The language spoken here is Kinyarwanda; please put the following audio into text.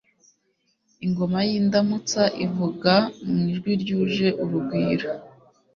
ingoma y'indamutsa ivuga mu ijwi ryuje urugwiro